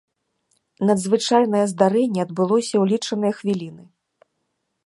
Надзвычайнае здарэнне адбылося ў лічаныя хвіліны.